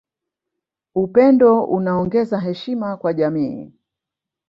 Upendo unaongeza heshima kwa jamii